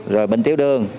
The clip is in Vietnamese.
rồi bệnh tiếu đường